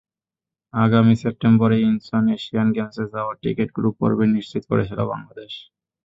আগামী সেপ্টেম্বরে Incheon Asian গেমসে যাওয়ার টিকিট গ্রুপ পর্বেই নিশ্চিত করেছিল বাংলাদেশ।